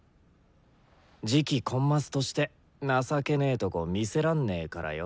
次期コンマスとして情けねえとこ見せらんねえからよ。